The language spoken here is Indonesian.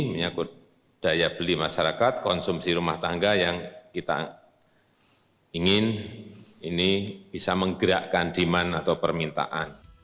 menyakut daya beli masyarakat konsumsi rumah tangga yang kita ingin ini bisa menggerakkan demand atau permintaan